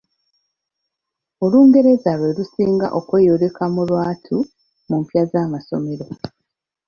Olungereza lwe lusinga okweyoleka mu lwattu mu mpya z'amasomero.